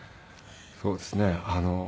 そうですね。